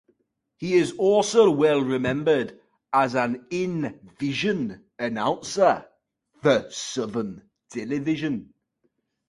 He is also well-remembered as an in-vision announcer for Southern Television.